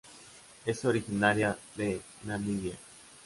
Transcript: Es originaria de Namibia.